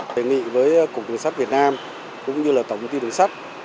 đề nghị với cục đường sắt việt nam cũng như là tổng công ty đường sắt